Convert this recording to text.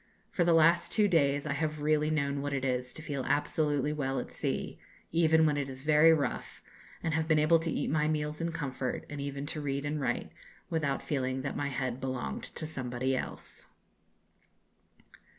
For the last two days I have really known what it is to feel absolutely well at sea, even when it is very rough, and have been able to eat my meals in comfort, and even to read and write, without feeling that my head belonged to somebody else."